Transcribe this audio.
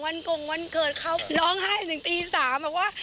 กงวันเกิดเขาร้องไห้ถึงตี๓บอกว่า